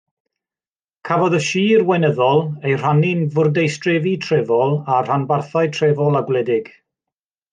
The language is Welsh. Cafodd y sir weinyddol ei rhannu'n fwrdeistrefi trefol a rhanbarthau trefol a gwledig.